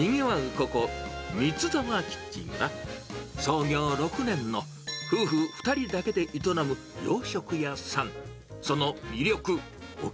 ここ、みつざわキッチンは、創業６年の夫婦２人だけで営む洋食屋さん。